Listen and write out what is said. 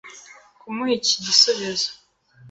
Kumuha iki gisubizo